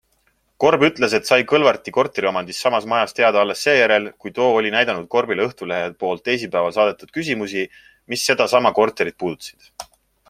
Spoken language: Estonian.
Korb ütles, et sai Kõlvarti korteriomandist samas majas teada alles seejärel, kui too oli näidanud Korbile Õhtulehe poolt teisipäeval saadetud küsimusi, mis sedasama korterit puudutasid.